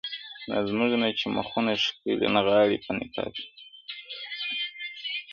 دا زمونږ نه چې مخــــونه ښــــــــــکلی نغـــاړی په نقاب کښې